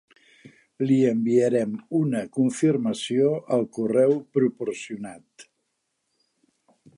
Li enviarem una confirmació al correu proporcionat.